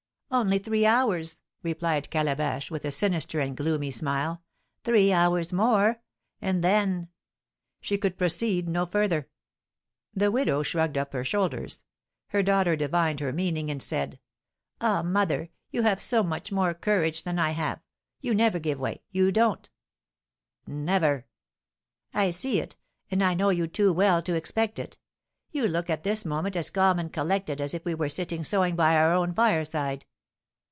"Only three hours!" replied Calabash, with a sinister and gloomy smile. "Three hours more! And then " She could proceed no further. The widow shrugged up her shoulders. Her daughter divined her meaning, and said, "Ah, mother, you have so much more courage than I have, you never give way, you don't." "Never!" "I see it, and I know you too well to expect it. You look at this moment as calm and collected as if we were sitting sewing by our own fireside.